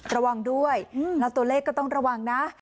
ระวังด้วยแล้วตัวเลขก็ต้องระวังนะ